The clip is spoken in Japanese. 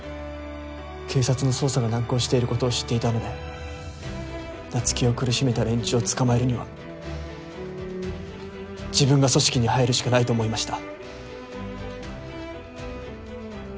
警察の捜査が難航していることを知っていたので菜月を苦しめた連中を捕まえるには自分が組織に入るしかないと思いました。